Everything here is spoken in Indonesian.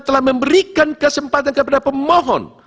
telah memberikan kesempatan kepada pemohon